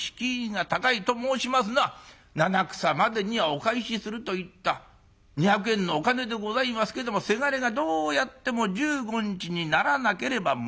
と申しますのは七草までにはお返しすると言った２００円のお金でございますけどもせがれがどうやっても１５日にならなければ戻りません。